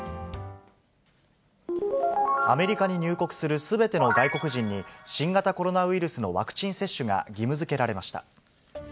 アメリカに入国するすべての外国人に、新型コロナウイルスのワクチン接種が義務づけられました。